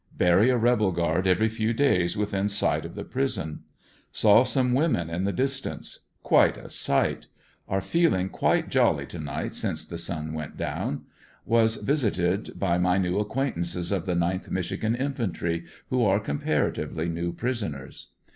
Bury a rebel guard every few days within sight of the prison Saw some women in the distance. Quite a sight. Are feeling quite jolly to nit lit since the sun went down Was vis ited by my new acquaintances of the 9th Michigan Infantry, who are comparatively new prisoners.